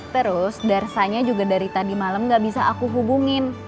terus darsanya juga dari tadi malam gak bisa aku hubungin